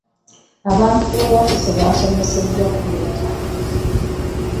Abantu b’e Wakiso basomeseddwa ku by’ettaka.